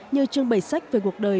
như trưng bày sách về cuộc đời